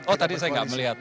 oh tadi saya nggak melihat